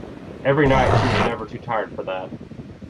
Every night she was never too tired for that.